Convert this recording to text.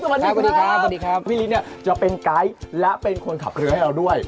สวัสดีครับพี่ลิ้นจะเป็นไกด์และเป็นคนขับเครือให้เราด้วย